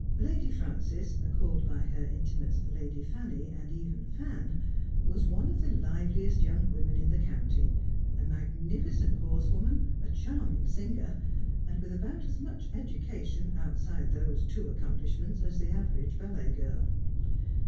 Lady Frances, called by her intimates Lady Fanny, and even Fan, was one of the liveliest young women in the county ; a magnificent horse woman, a charming singer, and with about as much education, outside those two accomplishments, as the average ballet girl.